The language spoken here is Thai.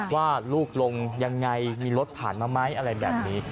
ว่าลูกลงยังไงมีรถผ่านมาไหมอะไรแบบนี้